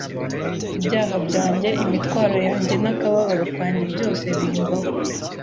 ibyaha byanjye imitwaro yanjye, n’akababaro kanjye byose bimvaho